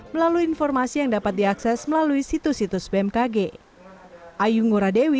melalui informasi yang dapat diakses melalui situs situs bmkg